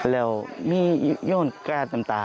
แล้วมีโยนแก๊สน้ำตา